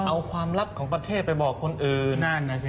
เอาความลับของประเทศไปบอกคนอื่น